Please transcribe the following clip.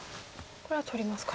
これは取りますか。